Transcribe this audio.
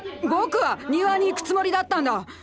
僕は庭に行くつもりだったんだ。